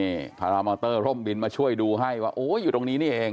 นี่พารามอเตอร์ร่มบินมาช่วยดูให้ว่าโอ้ยอยู่ตรงนี้นี่เอง